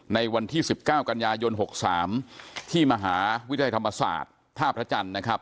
ในวันที่๑๙กันยายน๖๓ที่มหาวิทยาลัยธรรมศาสตร์ท่าพระจันทร์นะครับ